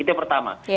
itu yang pertama